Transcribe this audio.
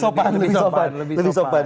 sopanya lebih sopan